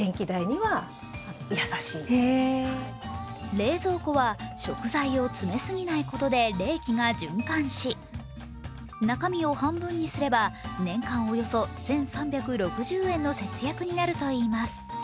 冷蔵庫は食材を詰めすぎないことで冷気が循環し中身を半分にすれば、年間およそ１３６０円の節約になるといいます。